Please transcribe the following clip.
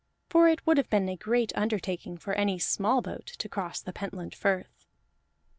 For it would have been a great undertaking for any small boat to cross the Pentland Firth.